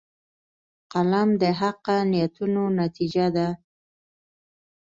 قلم د حقه نیتونو نتیجه ده